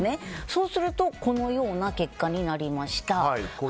そうするとこのような結果になりました。